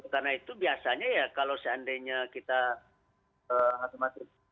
karena itu biasanya ya kalau seandainya kita harus mengaktifkan medis ya